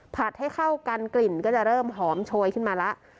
ให้เข้ากันกลิ่นก็จะเริ่มหอมโชยขึ้นมาแล้ว